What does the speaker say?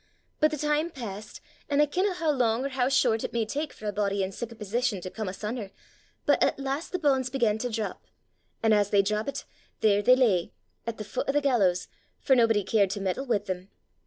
But the time passed, an' I kenna hoo lang or hoo short it may tak for a body in sic a position to come asun'er, but at last the banes began to drap, an' as they drappit, there they lay at the fut o' the gallows, for naebody caret to meddle wi' them.